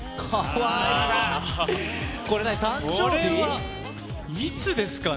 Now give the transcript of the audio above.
これはいつですかね？